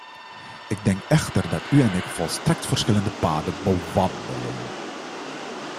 Ik denk echter dat u en ik volstrekt verschillende paden bewandelen.